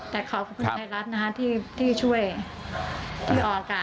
แต่ขอบคุณไทรัฐนะฮะที่ช่วยที่ออกการให้ขอบคุณมาก